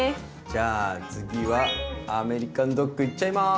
じゃあ次はアメリカンドッグいっちゃいます！